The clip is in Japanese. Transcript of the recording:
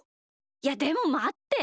いやでもまって。